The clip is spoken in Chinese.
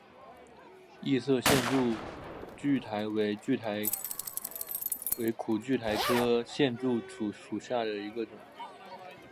异色线柱苣苔为苦苣苔科线柱苣苔属下的一个种。